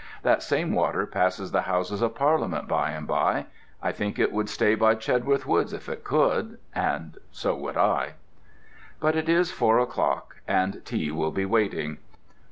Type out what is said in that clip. That same water passes the Houses of Parliament by and by. I think it would stay by Chedworth Woods if it could—and so would I. But it is four o'clock, and tea will be waiting.